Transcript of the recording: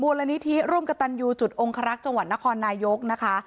มูลนิธิร่มกระตันอยู่จุดองค์ฮะรักษ์จังหวัดนครนายกนะคะ